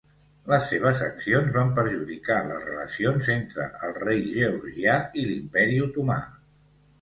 Les seves accions van perjudicar les relacions entre el rei georgià i l'imperi otomà.